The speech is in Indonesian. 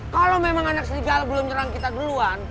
kalau memang anak sery galak belum nyerang kita duluan